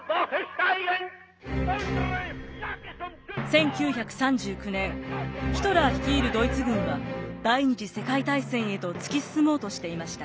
１９３９年ヒトラー率いるドイツ軍は第二次世界大戦へと突き進もうとしていました。